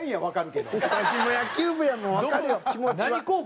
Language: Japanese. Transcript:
わしも野球部やもんわかるよ気持ちは。